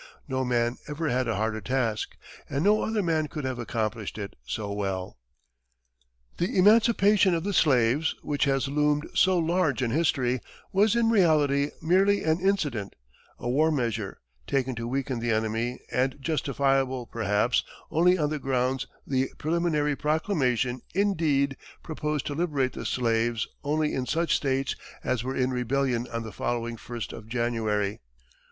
No man ever had a harder task, and no other man could have accomplished it so well. [Illustration: LINCOLN] The emancipation of the slaves, which has loomed so large in history, was in reality, merely an incident, a war measure, taken to weaken the enemy and justifiable, perhaps, only on that ground; the preliminary proclamation, indeed, proposed to liberate the slaves only in such states as were in rebellion on the following first of January.